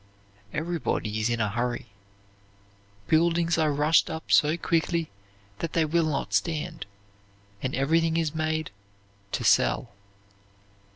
Everybody is in a hurry. Buildings are rushed up so quickly that they will not stand, and everything is made "to sell."